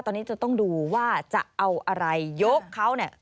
ตอนนี้จะต้องดูว่าจะเอาอะไรยกเขาเนี่ย